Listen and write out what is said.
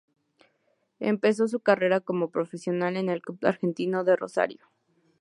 Empezó su carrera como profesional en el Club Argentino de Rosario.